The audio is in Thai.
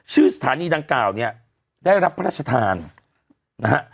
ชื่อสถานีดังกล่าวเนี่ยได้รับพระราชทานนะฮะ